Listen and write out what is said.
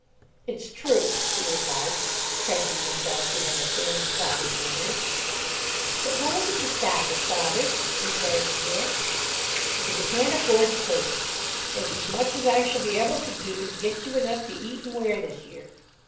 "It's true," he replied, trenching himself behind a firm, decided manner. "But why did you stop it, father?" inquired the girls. "Because I can't afford to take it. It's as much, as I shall be able to do to get you enough to eat and wear this year."